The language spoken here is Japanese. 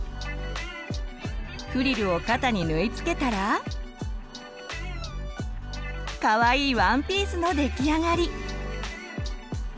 フリルを肩に縫い付けたらかわいいワンピースの出来上がり！